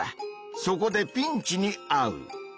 そこでピンチにあう！